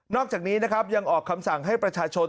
อกจากนี้นะครับยังออกคำสั่งให้ประชาชน